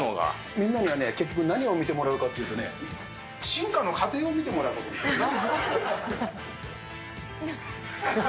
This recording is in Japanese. みんなにはね、結局何を見てもらうかというとね、進化の過程を見てもらおうと思ってな。